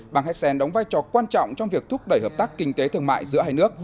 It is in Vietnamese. bang hessen đóng vai trò quan trọng trong việc thúc đẩy hợp tác kinh tế thương mại giữa hai nước